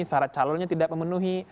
sarat calonnya tidak memenuhi